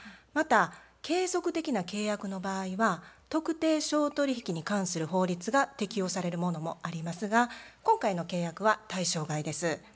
また継続的な契約の場合は特定商取引に関する法律が適用されるものもありますが今回の契約は対象外です。